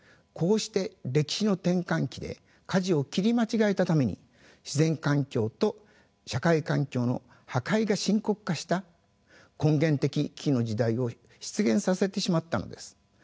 こうして歴史の転換期でかじを切り間違えたために自然環境と社会環境の破壊が深刻化した根源的危機の時代を出現させてしまったのです。